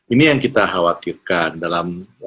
ini yang kita khawatirkan dalam